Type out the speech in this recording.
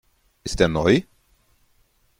Ist der neu?